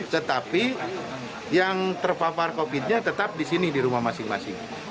tetapi yang terpapar covid nya tetap di sini di rumah masing masing